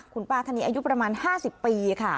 คุณป้าท่านนี้อายุประมาณ๕๐ปีค่ะ